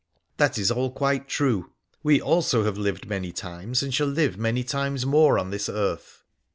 That is all quite true. We, alsq have lived many times, and shall live many times more on this earth.'